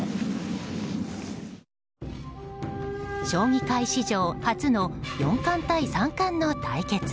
将棋界史上初の四冠対三冠の対決。